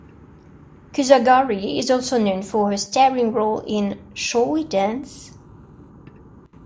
Kusakari is also known for her starring role in Shall We Dance?